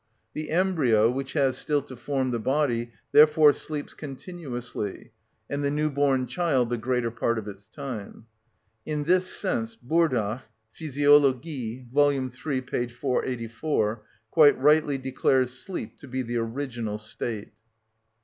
The embryo which has still to form the body therefore sleeps continuously, and the new born child the greater part of its time. In this sense Burdach (Physiologie, vol. iii. p. 484) quite rightly declares sleep to be the original state.